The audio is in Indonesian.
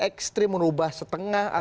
ekstrim merubah setengah atau